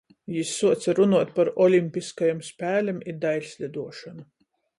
Jis suoce runuot par olimpiskajom spēlem i dailsliduošonu.